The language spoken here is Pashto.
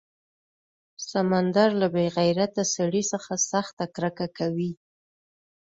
سمندر له بې غیرته سړي څخه سخته کرکه کوي.